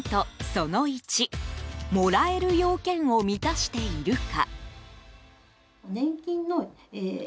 その１もらえる要件を満たしているか。